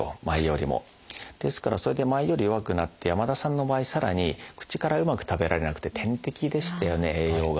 ですからそれで前より弱くなって山田さんの場合さらに口からうまく食べられなくて点滴でしたよね栄養が。